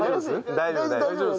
大丈夫大丈夫。